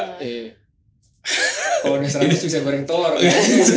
kalau di seratus bisa bering telur